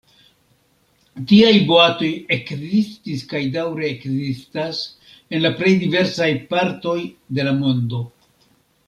Tiaj boatoj ekzistis kaj daŭre ekzistas en la plej diversaj partoj de la mondo.